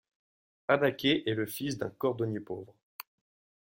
Anacker est le fils d'un cordonnier pauvre.